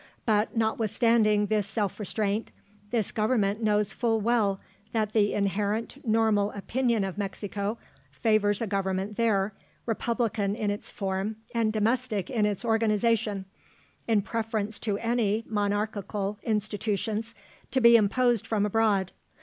But, notwithstanding this self restraint, this Government knows full well that the inherent normal opinion of Mexico favours a government there, republican in its form and domestic in its organisation, in preference to any monarchical institutions to be imposed from abroad.